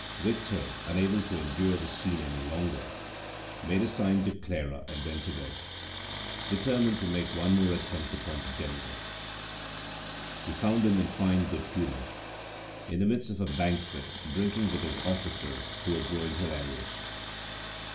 Victor, unable to endure the scene any longer, made a sign to Clara, and went away, determined to make one more attempt upon the general. He found him in fine good humour, in the midst of a banquet, drinking with his officers, who were growing hilarious.